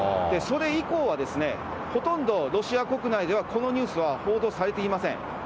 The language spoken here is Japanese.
それ以降は、ほとんどロシア国内ではこのニュースは報道されていません。